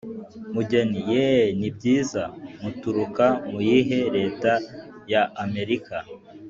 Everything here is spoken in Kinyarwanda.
mugeni: yeee! ni byiza. muturuka mu yihe leta ya amerika?